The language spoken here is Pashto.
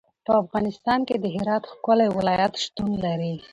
په افغانستان کې د هرات ښکلی ولایت شتون لري.